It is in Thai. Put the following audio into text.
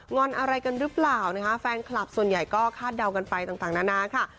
อนอะไรกันหรือเปล่านะคะแฟนคลับส่วนใหญ่ก็คาดเดากันไปต่างนานาค่ะ